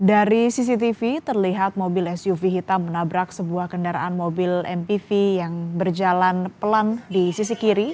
dari cctv terlihat mobil suv hitam menabrak sebuah kendaraan mobil mpv yang berjalan pelan di sisi kiri